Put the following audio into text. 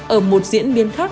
ở một diễn biến